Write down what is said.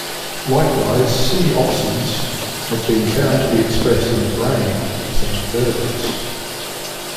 Likewise, c-opsins have been found to be expressed in the "brain" of some invertebrates.